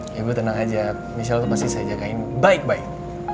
ya bu tenang aja michelle tuh pasti saya jagain baik baik